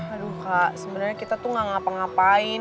aduh kak sebenernya kita tuh gak ngapa ngapain